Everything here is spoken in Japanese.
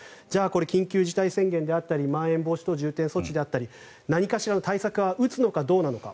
緊急事態宣言であったりまん延防止等重点措置であったり何かしらの対策は打つのかどうなのか。